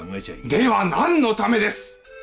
では何のためです？